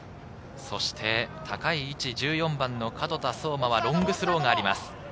高い位置、１４番の角田颯磨はロングスローがあります。